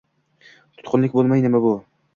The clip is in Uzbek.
Tutqunlik bo‘lmay, nima bu?